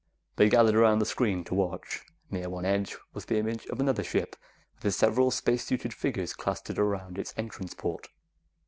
They gathered around the screen to watch. Near one edge was the image of another ship, with several spacesuited figures clustered around its entrance port.